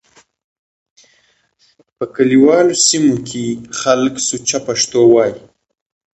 په کليوالو سيمو کې خلک سوچه پښتو وايي.